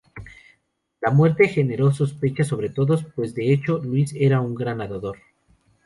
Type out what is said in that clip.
La muerte generó sospechas sobre todos, pues, de hecho, Luis era un gran nadador.